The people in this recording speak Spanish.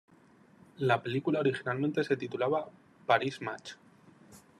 La película originalmente se titulaba "Paris Match".